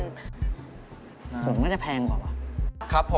ผมน่าจะแพงกว่าวะ